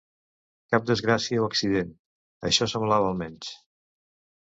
Cap desgràcia o accident, això semblava almenys.